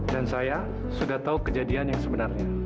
dan saya sudah tau kejadian yang sebenarnya